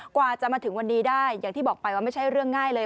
กว่าจะมาถึงวันนี้ได้อย่างที่บอกไปว่าไม่ใช่เรื่องง่ายเลย